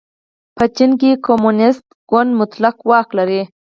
په چین کې کمونېست ګوند مطلق واک لري.